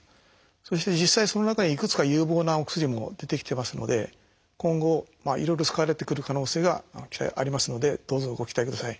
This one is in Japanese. そして実際その中にいくつか有望なお薬も出てきてますので今後いろいろ使われてくる可能性がありますのでどうぞご期待ください。